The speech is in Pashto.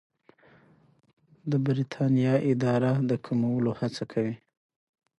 د بریتانیا اداره د کمولو هڅه کوي.